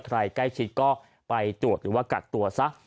ใครใกล้ชิดก็ไปตรวจหรือว่ากักตัวซะ